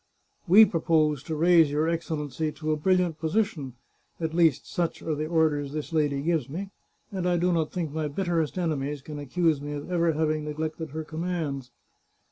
We propose to raise your Excellency to a brilliant position — at least, such are the orders this lady gives me, and I do not think my bitterest enemies can accuse me of ever having neglected her commands.